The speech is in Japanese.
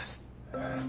えっ。